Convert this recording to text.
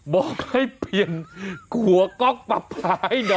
บอกให้เปลี่ยนหัวก๊อกปลาผาให้หน่อย